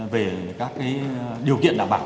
về các điều kiện đảm bảo